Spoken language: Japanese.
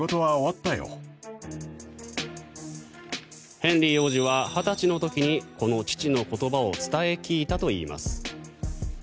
ヘンリー王子は２０歳の時にこの父の言葉を伝え聞いたといいます。